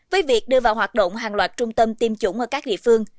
với việc đưa vào hoạt động hàng loạt trung tâm tiêm chủng ở các địa phương